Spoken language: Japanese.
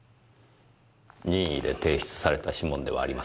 任意で提出された指紋ではありません。